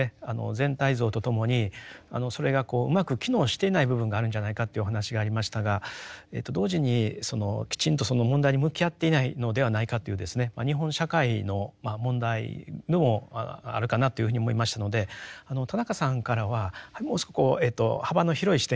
全体像とともにそれがうまく機能していない部分があるんじゃないかというお話がありましたが同時にきちんとその問題に向き合っていないのではないかというですね日本社会のまあ問題でもあるかなというふうに思いましたので田中さんからはもう少し幅の広い視点からですね